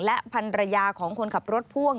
และพันรยาของคนขับรถพ่วง